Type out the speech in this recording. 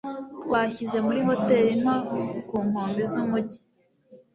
Twashyize muri hoteri nto ku nkombe z'umujyi.